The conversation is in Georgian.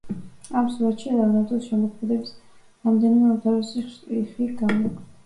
ამ სურათში ლეონარდოს შემოქმედების რამდენიმე უმთავრესი შტრიხი გამოიკვეთა.